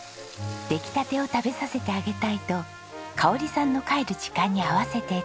出来たてを食べさせてあげたいと香さんの帰る時間に合わせて作っていました。